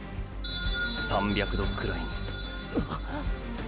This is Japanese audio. ３００℃くらいに！！っ！！